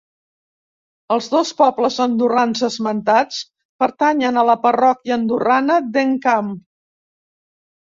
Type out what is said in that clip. Els dos pobles andorrans esmentats pertanyen a la parròquia andorrana d'Encamp.